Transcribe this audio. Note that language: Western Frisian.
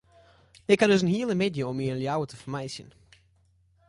Ik ha dus in hiele middei om my yn Ljouwert te fermeitsjen.